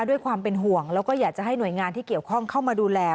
ด้วยความเป็นห่วงแล้วก็อยากจะให้หน่วยงานที่เกี่ยวข้องเข้ามาดูแล